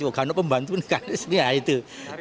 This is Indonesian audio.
gak ada pembantu gak ada seri ya itu